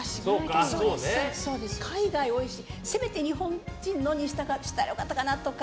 海外は多いし、せめて日本人にしたらよかったかなとか。